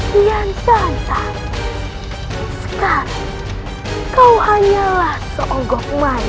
kian sata sekarang kau hanyalah seonggok maya